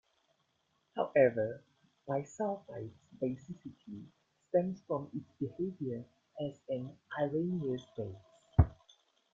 However, bisulfide's basicity stems from its behavior as an Arrhenius base.